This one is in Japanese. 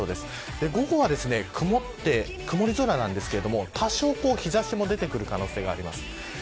午後は曇り空ですが多少日差しも出てくる可能性があります。